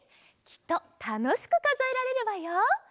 きっとたのしくかぞえられるわよ。